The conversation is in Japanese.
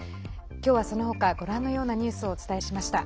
きょうはそのほかご覧のようなニュースをお伝えしました。